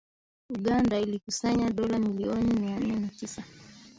Uganda ilikusanya dola milioni mia nne na tisa